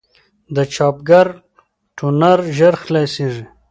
د چاپګر ټونر ژر خلاصېږي.